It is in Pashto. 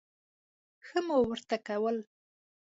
ښه مو ورته کول.